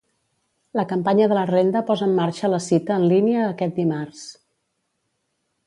La campanya de la renda posa en marxa la cita en línia aquest dimarts.